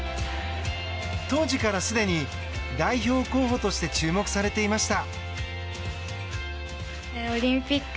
当時から、すでに代表候補として注目されていました。